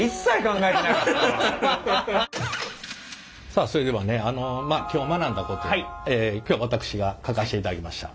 さあそれではねあのまあ今日学んだことを今日私が書かせていただきました。